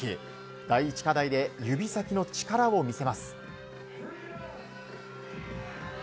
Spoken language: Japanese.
第１課題で指先の力を見せます。